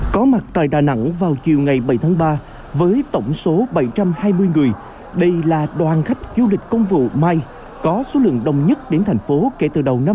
có mặt tại đà nẵng vào chiều ngày bảy tháng ba với tổng số bảy trăm hai mươi người đây là đoàn khách du lịch công vụ mai có số lượng đông nhất đến thành phố kể từ đầu năm hai nghìn hai mươi